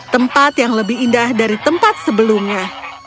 tempat yang lebih indah dari tempat sebelumnya